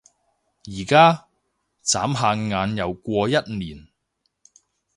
而家？眨下眼又過一年